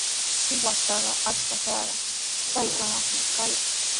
Sihuastrawqa achka sara trakrayuqmi kayan.